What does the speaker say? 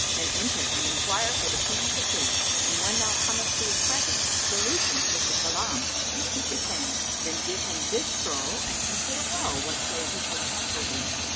Then enter and enquire for the King of the city; and when thou comest to his presence, salute him with the salam and kiss his hand: then give him this scroll and consider well whatso he shall counsel thee."